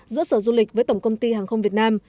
giữa sở du lịch với tổng công ty hàng không việt nam